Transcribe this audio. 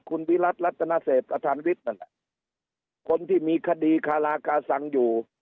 คุณวิรัติรัตนเศษประธานวิทย์นั่นแหละคนที่มีคดีคารากาสังอยู่